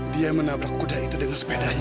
dia menabrak kuda itu dengan sepedanya